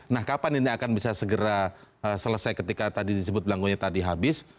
nah kapan ini akan bisa segera selesai ketika tadi disebut belangkonya tadi habis